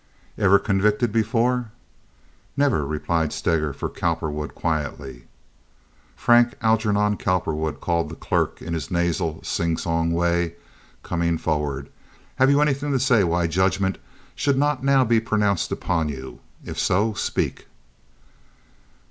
"Ever convicted before?" "Never," replied Steger for Cowperwood, quietly. "Frank Algernon Cowperwood," called the clerk, in his nasal, singsong way, coming forward, "have you anything to say why judgment should not now be pronounced upon you? If so, speak."